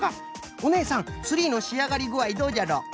おねえさんツリーのしあがりぐあいどうじゃろ？